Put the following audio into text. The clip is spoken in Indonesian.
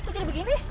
kok jadi begini